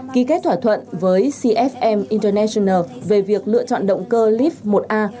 ký kết thỏa thuận với cfm international về việc lựa chọn động cơ lib một a